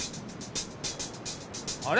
あれ？